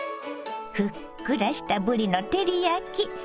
ふっくらしたぶりの照り焼き。